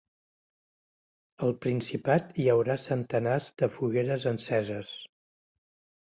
Al Principat hi haurà centenars de fogueres enceses.